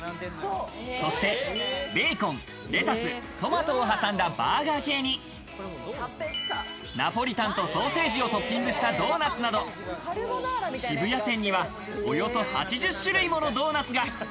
そしてベーコン、レタス、トマトを挟んだバーガー系に、ナポリタンとソーセージをトッピングしたドーナツなど、渋谷店にはおよそ８０種類のドーナツが。